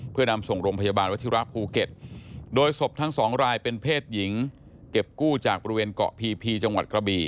เพื่อนำส่งโรงพยาบาลวัชิระภูเก็ตโดยศพทั้งสองรายเป็นเพศหญิงเก็บกู้จากบริเวณเกาะพีพีจังหวัดกระบี่